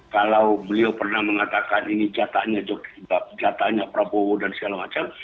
kalau beliau pernah mengatakan ini jatahnya prabowo dan segala macam